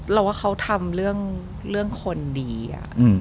เราว่าเขาทำเรื่องคนดีอะ